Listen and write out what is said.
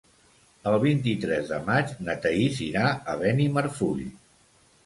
El vint-i-tres de maig na Thaís irà a Benimarfull.